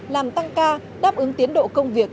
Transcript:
làm tăng ca đáp ứng tiến độ công việc